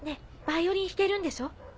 バイオリン弾けるんでしょ？